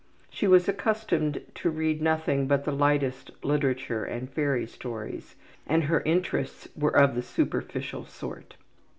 She was accustomed to read nothing but the lightest literature and fairy stories and her interests were of the superficial sort.